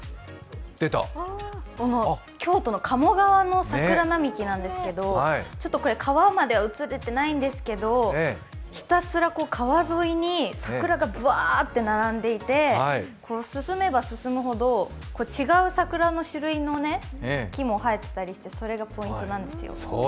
京都の鴨川の桜並木なんですけど川まで写ってないんですけど、ひたすら川沿いに桜がぶわーっと並んでいて進めば進むほど、違う桜の種類の木も生えてたりしてそれがポイントなんですよ。